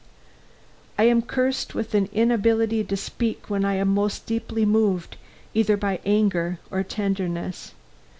I am cursed with an inability to speak when I am most deeply moved, either by anger or tenderness.